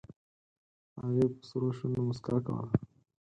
هغې په سرو شونډو موسکا کوله